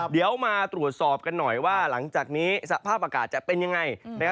เดี๋ยวมาตรวจสอบกันหน่อยว่าหลังจากนี้สภาพอากาศจะเป็นยังไง